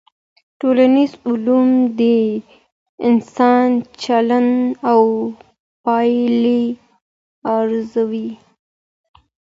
ټولنيز علوم د انسان چلند او پايلي ارزوي.